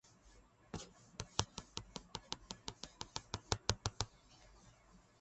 শাহ্ সোলায়মান আলম পূর্বে আওয়ামী লীগের রাজনীতির সাথে জড়িত ছিলেন।